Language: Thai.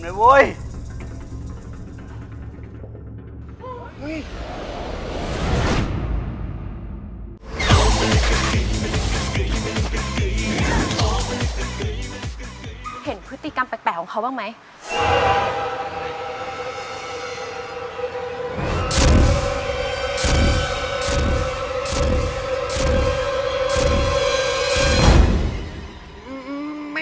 ไม่มีอะไม่มีพฤติกรรมแปลกอะไรทั้งนั้นอะ